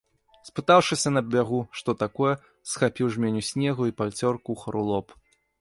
Спытаўшыся на бягу, што такое, схапіў жменю снегу і пацёр кухару лоб.